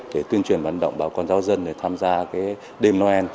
để tuyên truyền vận động bà con giáo dân để tham gia đêm noel